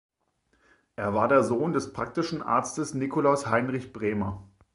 Er war der Sohn des praktischen Arztes Nikolaus Heinrich Brehmer.